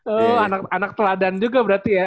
oh anak anak teladan juga berarti ya